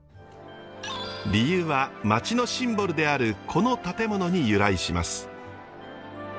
理由は町のシンボルであるこの建物に由来します。